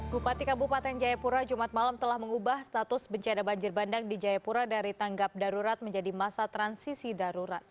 bupati kabupaten jayapura jumat malam telah mengubah status bencana banjir bandang di jayapura dari tanggap darurat menjadi masa transisi darurat